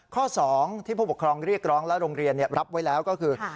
ข้อ๒ที่ผู้ปกครองเรียกร้องและโรงเรียนรับไว้แล้วก็คือ